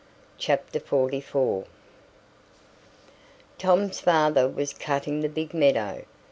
Chapter 44 Tom's father was cutting the big meadow.